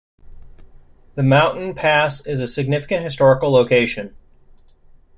The mountain pass is a significant historical location.